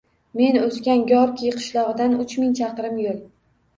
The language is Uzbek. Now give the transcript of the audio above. Men oʻsgan Gorkiy qishlogʻidan uch ming chaqirim yoʻl.